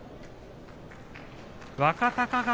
若隆景